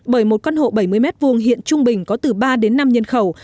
bởi một căn hộ bảy mươi m hai hiện trung bình có từ ba đến năm nhân khẩu